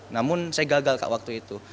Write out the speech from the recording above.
namun saya gagal kak waktu itu